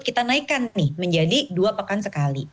kita naikkan nih menjadi dua pekan sekali